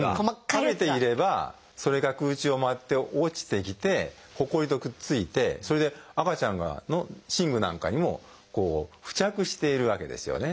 食べていればそれが空中を舞って落ちてきてほこりとくっついてそれで赤ちゃんの寝具なんかにも付着しているわけですよね。